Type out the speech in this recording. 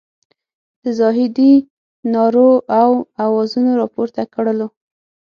د زاهدي نارو او اوازونو راپورته کړلو.